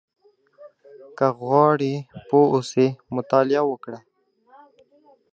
• که غواړې پوه اوسې، مطالعه وکړه.